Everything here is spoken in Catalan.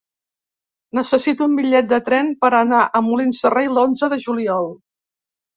Necessito un bitllet de tren per anar a Molins de Rei l'onze de juliol.